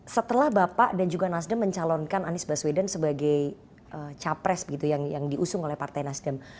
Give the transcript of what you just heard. setelah bapak dan juga nasdem mencalonkan anies baswedan sebagai capres yang diusung oleh partai nasdem